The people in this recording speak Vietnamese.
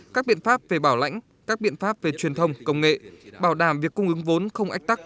các biện pháp về bảo lãnh các biện pháp về truyền thông công nghệ bảo đảm việc cung ứng vốn không ách tắc